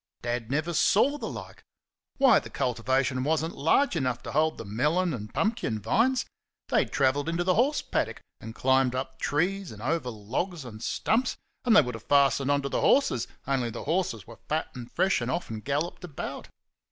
Dad never saw the like. Why, the cultivation was n't large enough to hold the melon and pumpkin vines they travelled into the horse paddock and climbed up trees and over logs and stumps, and they would have fastened on the horses only the horses were fat and fresh and often galloped about.